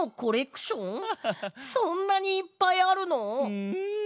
うん。